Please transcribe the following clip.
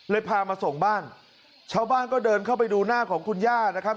พามาส่งบ้านชาวบ้านก็เดินเข้าไปดูหน้าของคุณย่านะครับ